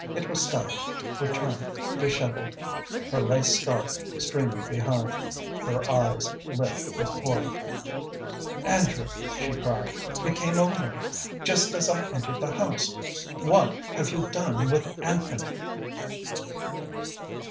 It was Stella, returned dishevelled, her lace scarf streaming behind, her eyes lit with horror. "Andrew!" she cried. "It came over me just as I entered the house! What have you done with Anthony?"